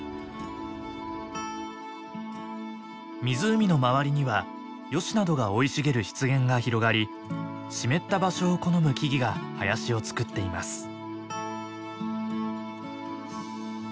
湖の周りにはヨシなどが生い茂る湿原が広がり湿った場所を好む木々が林をつくっています。